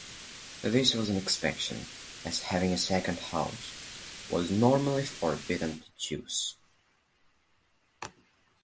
This was an exception, as having a second house was normally forbidden to Jews.